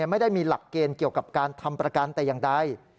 ไม่ได้มีหลักเกณฑ์เกี่ยวกับการทำประกันแต่อย่างใด